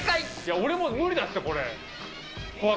俺もう無理だって、これ。